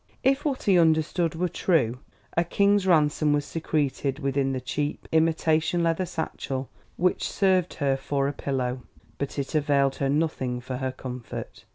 If what he understood were true, a king's ransom was secreted within the cheap, imitation leather satchel which served her for a pillow. But it availed her nothing for her comfort.